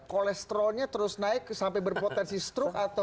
kolesterolnya terus naik sampai berpotensi struk atau